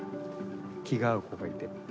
気が合う子がいて。